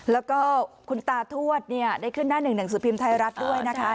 แล้วก็คุณตาทวดได้ขึ้นหน้า๑หนังสภิมศ์ไทยรัฐด้วยนะคะ